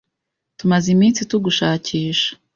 Tumaze iminsi tugushakisha.